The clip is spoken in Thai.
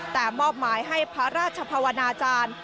แต่มอบหมายให้พระราชภาวนาจารย์